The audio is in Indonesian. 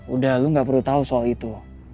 udah lo gak perlu tau soal itu